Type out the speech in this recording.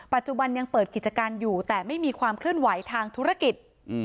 ปัจจุบันยังเปิดกิจการอยู่แต่ไม่มีความเคลื่อนไหวทางธุรกิจ